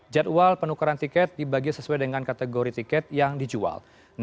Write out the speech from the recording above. jadwal penukaran tiket dibagi sesuai dengan kategori tiket yang dijual